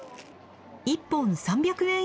１本３００円